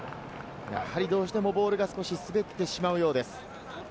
どうしてもボールが少し滑ってしまうようです。